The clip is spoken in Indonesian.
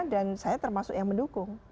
dan saya termasuk yang mendukung